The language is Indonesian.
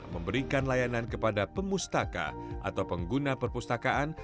memberikan layanan kepada pemustaka atau pengguna perpustakaan